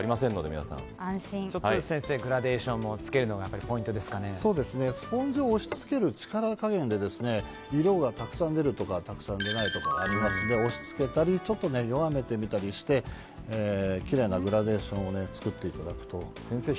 グラデーションもつけるのがスポンジを押し付ける力加減で色がたくさん出るとかたくさん出ないとかあるので押し付けたり弱めてみたりしてきれいなグラデーションを作っていただくと。